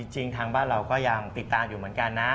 จริงทางบ้านเราก็ยังติดตามอยู่เหมือนกันนะ